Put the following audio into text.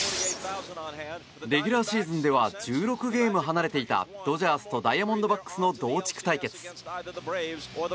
レギュラーシーズンでは１６ゲーム離れていたドジャースとダイヤモンドバックスの同地区対決。